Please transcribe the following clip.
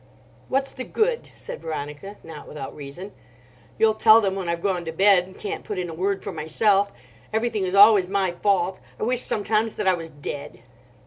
"What's the good," said Veronica—not without reason. "You'll tell them when I've gone to bed, and can't put in a word for myself. Everything is always my fault. I wish sometimes that I was dead."